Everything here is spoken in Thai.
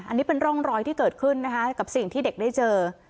อันนี้เป็นร่องรอยที่เกิดขึ้นนะคะกับสิ่งที่เด็กได้เจอ